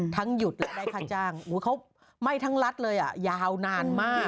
หยุดและได้ค่าจ้างเขาไหม้ทั้งรัฐเลยอ่ะยาวนานมาก